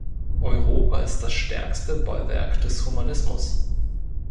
Europa ist das stärkste Bollwerk des Humanismus.